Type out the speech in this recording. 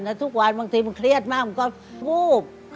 แล้วทุกวันบางทีมันเครียดมากมันก็วูบ